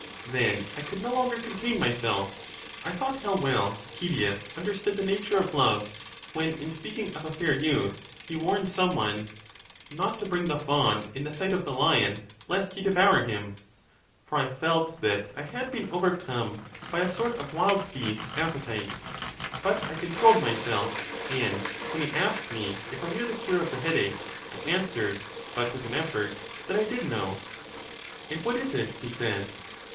Then I could no longer contain myself. I though how well Cydias understood the nature of love, when, in speaking of a fair youth, he warns some one " not to bring the fawn in the sight of the lion lest he devour him," for I felt that I had been overcome by a sort of wild beast appetite. But I controlled myself, and when he asked me if I knew the cure of the headache, I answered, but with an effort, that I did know. And what is it? he said.